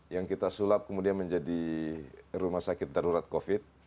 yang kita sulap kemudian menjadi rumah sakit darurat covid